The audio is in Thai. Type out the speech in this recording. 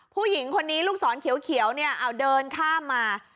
ผู้หญิงคนนี้ลูกศรเขียวเนี่ยเอาเดินข้ามมา